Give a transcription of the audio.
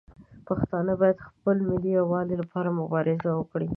پښتانه باید د خپل ملي یووالي لپاره مبارزه وکړي.